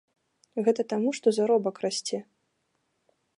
Гэта таму, што заробак расце.